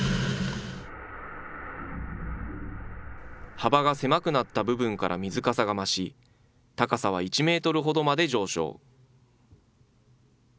幅が狭くなった部分から水かさが増し、高さは１メートルほどまで上昇。